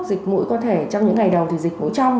dịch mũi có thể trong những ngày đầu thì dịch vụ trong